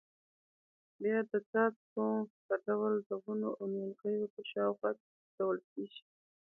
بیا د څاڅکو په ډول د ونو او نیالګیو په شاوخوا کې څڅول کېږي.